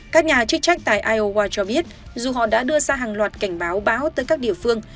các nhà chức trách tại iowa cho biết dù họ đã đưa ra hàng loạt cảnh báo bão tới các địa phương